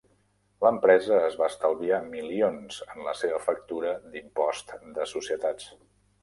L'empresa es va estalviar milions en la seva factura d'impost de societats.